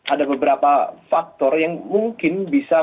ada beberapa faktor yang mungkin bisa